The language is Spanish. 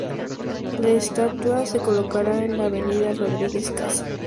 La estatua se colocará en la Avenida Rodríguez Caso, dentro del parque.